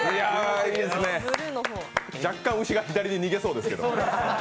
若干牛が左に逃げそうですけど。